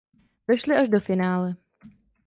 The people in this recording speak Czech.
Došli až do finále.